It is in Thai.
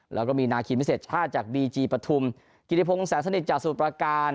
แล้วก็มีนาคินพิเศษชาติจากบีจีปฐุมกิริพงศ์แสนสนิทจากสมุทรประการ